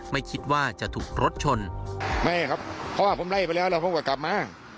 ไม่คิดว่าจะถูกรถชนไม่ครับเพราะว่าผมไล่ไปแล้วแล้วผมก็กลับมา